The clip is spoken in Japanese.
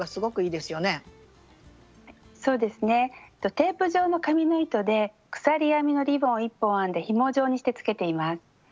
テープ状の紙の糸で鎖編みのリボンを１本編んでひも状にしてつけています。